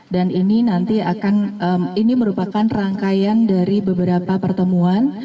dan ini nanti akan ini merupakan rangkaian dari beberapa pertemuan